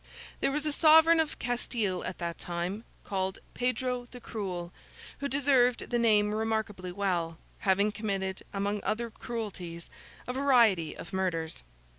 There was a Sovereign of Castile at that time, called Pedro the Cruel, who deserved the name remarkably well: having committed, among other cruelties, a variety of murders.